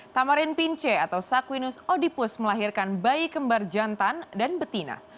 tamarin pince atau saqinus odipus melahirkan bayi kembar jantan dan betina